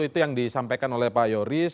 itu yang disampaikan oleh pak yoris